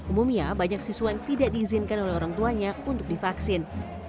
umumnya banyak siswa yang tidak diizinkan oleh orang tuanya untuk divaksin